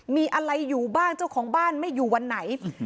มีอะไรอยู่บ้างเจ้าของบ้านไม่อยู่วันไหน